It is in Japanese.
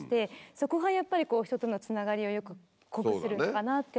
そこがやっぱり人とのつながりを濃くするのかなってあらためて。